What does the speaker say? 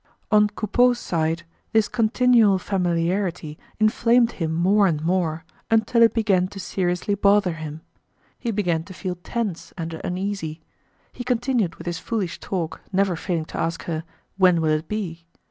On Coupeau's side, this continual familiarity inflamed him more and more until it began to seriously bother him. He began to feel tense and uneasy. He continued with his foolish talk, never failing to ask her, "When will it be?"